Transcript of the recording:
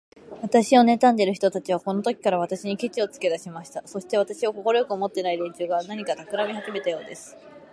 私をねたんでいる人たちは、このときから、私にケチをつけだしました。そして、私を快く思っていない連中が、何かたくらみをはじめたようです。